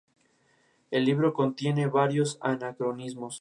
El libro contiene varios anacronismos.